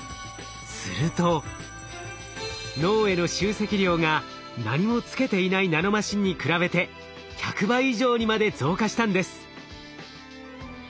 すると脳への集積量が何もつけていないナノマシンに比べて１００倍以上にまで増加したんです。